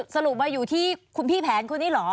สรุปมาอยู่ที่คุณพี่แผนคนนี้เหรอ